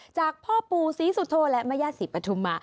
จากพ่อปู่ศรีสุโธและแม่ญาติศรีปฐุมะ